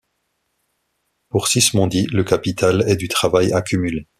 Pour Sismondi le capital est du travail accumulé.